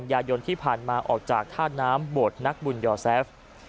ยายนที่ผ่านมาออกจากท่าน้ำโบสถ์นักบุญยอแซฟ